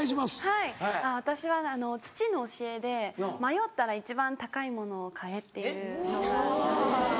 はい私は父の教えで迷ったら一番高いものを買えっていうのがあって。